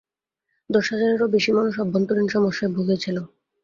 দশ হাজারেরও বেশি মানুষ অভ্যন্তরীণ সমস্যায় ভুগেছিল।